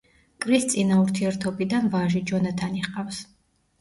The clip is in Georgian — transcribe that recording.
კრის წინა ურთიერთობიდან ვაჟი, ჯონათანი ჰყავს.